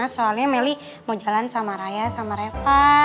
soalnya meli mau jalan sama raya sama repa